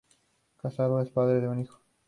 Casado, es padre de un hijo.